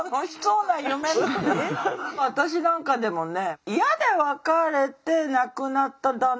私なんかでもね